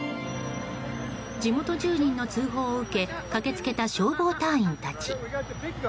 地元住人の通報を受け駆け付けた消防隊員たち。